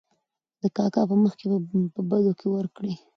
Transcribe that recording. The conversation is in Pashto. د کاکا په مخکې په بدو کې ور کړې .